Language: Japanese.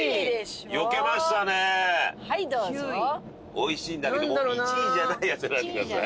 美味しいんだけども１位じゃないやつを選んでください。